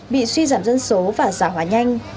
bị suy giảm dân số và giả hóa nhanh